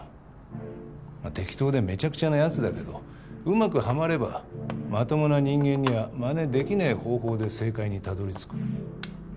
まあ適当でめちゃくちゃな奴だけどうまくハマればまともな人間にゃまねできねえ方法で正解にたどり着く。